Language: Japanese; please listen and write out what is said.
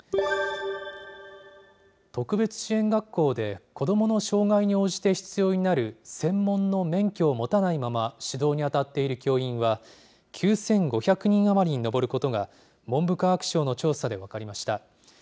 特別支援学校で、子どもの障害に応じて必要になる専門の免許を持たないまま指導に当たっている教員は、９５００人余りに上ることが、文部科学省の調査で分かりました。